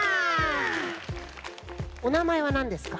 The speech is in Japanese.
おなまえはなんですか？